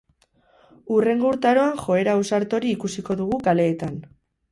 Hurrengo urtaroan joera ausart hori ikusiko dugu kaleetan.